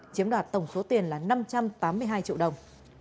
chiếm đoạt tổng số tiền là năm trăm tám mươi hai triệu đồng